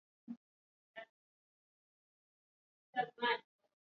Mkuu wa Dola Kabaka Mutesa kwa nguvu halafu Obote alijitangaza kuwa rais